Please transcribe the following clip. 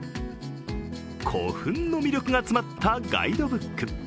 古墳の魅力が詰まったガイドブック。